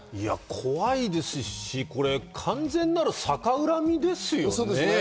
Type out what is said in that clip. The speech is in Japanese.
怖いですし、これ、完全なる逆恨みですよね。